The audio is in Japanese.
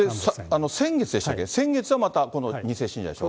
先月でしたっけ、先月はまた２世信者でしょう。